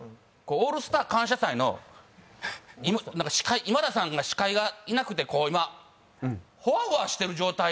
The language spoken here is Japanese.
『オールスター感謝祭』のなんか司会今田さんが司会がいなくて今ホワホワしてる状態みたいですね。